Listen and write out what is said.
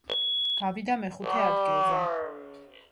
გავიდა მეხუთე ადგილზე.